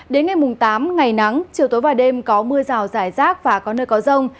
đến ngày mùng tám ngày nắng chiều tối và đêm có mưa rào rải rác và có nơi có rông